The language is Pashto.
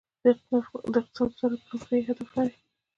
د اقتصاد وزارت پرمختیايي اهداف لري؟